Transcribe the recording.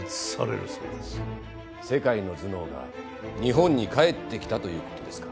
世界の頭脳が日本に帰ってきたという事ですか。